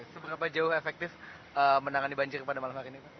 seberapa jauh efektif menangani banjir pada malam hari ini